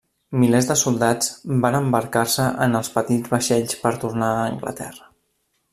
Milers de soldats van embarcar-se en els petits vaixells per tornar a Anglaterra.